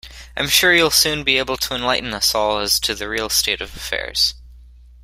I'm sure you'll soon be able to enlighten us all as to the real state of affairs.